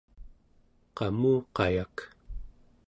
qamuqayak